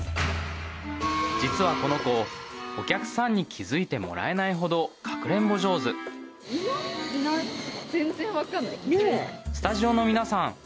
実はこの子お客さんに気づいてもらえないほどかくれんぼ上手いないスタジオの皆さん